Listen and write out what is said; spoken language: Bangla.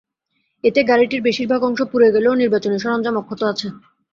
এতে গাড়িটির বেশির ভাগ অংশ পুড়ে গেলেও নির্বাচনী সরঞ্জাম অক্ষত আছে।